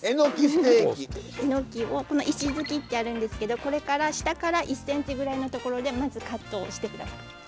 えのきをこの石づきってあるんですけどこれから下から１センチぐらいのところでまずカットをして下さい。